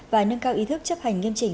và nâng cao ý thức chấp hành nghiêm chỉnh